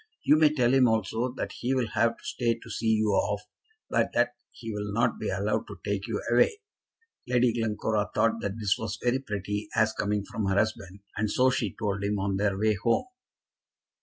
You may tell him also that he will have to stay to see you off, but that he will not be allowed to take you away." Lady Glencora thought that this was very pretty as coming from her husband, and so she told him on their way home.